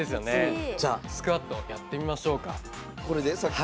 じゃあ、スクワットやってみましょうか。